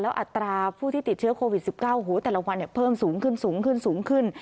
อัตราผู้ที่ติดเชื้อโควิด๑๙แต่ละวันเพิ่มสูงขึ้นสูงขึ้นสูงขึ้น